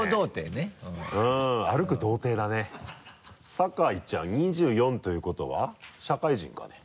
酒井ちゃん２４ということは社会人かね？